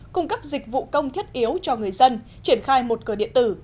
cung cấp dịch vụ công thiết yếu cho người dân triển khai một cờ điện tử